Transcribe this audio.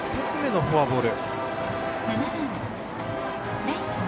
２つ目のフォアボール。